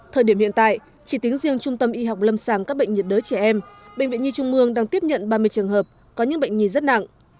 thời điểm hiện tại chỉ tính riêng trung tâm y học lâm sàng các bệnh nhiệt đới trẻ em bệnh viện nhi trung mương đang tiếp nhận ba mươi trường hợp có những bệnh nhi rất nặng